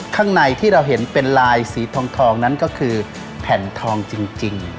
ข้างในที่เราเห็นเป็นลายสีทองนั้นก็คือแผ่นทองจริง